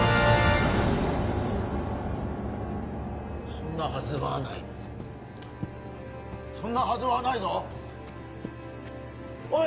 そんなはずはないそんなはずはないぞおい